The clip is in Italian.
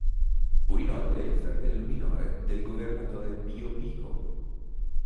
Fu inoltre il fratello minore del governatore Pío Pico.